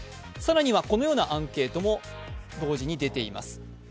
更にはこのようなアンケートも同時に出ています。